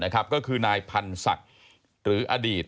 ก็คือนายพันธุ์ศักดิ์หรืออดีต